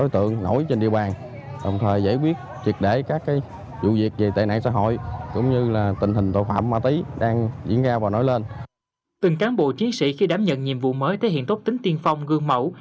từng cán bộ chiến sĩ khi đảm nhận nhiệm vụ mới thể hiện tốt tính tiên phong gương mẫu